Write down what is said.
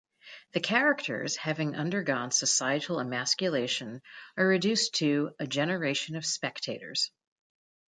The characters, having undergone societal emasculation, are reduced to "a generation of spectators".